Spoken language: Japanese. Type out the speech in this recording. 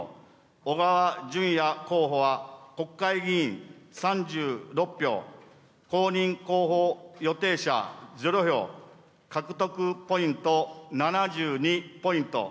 小川淳也候補は、国会議員３６票、公認候補予定者０票、獲得ポイント７２ポイント。